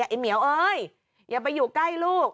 ไอ้เหมียวเอ้ยอย่าไปอยู่ใกล้ลูก